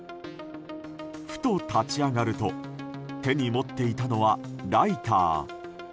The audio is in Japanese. ふと立ち上がると手に持っていたのはライター。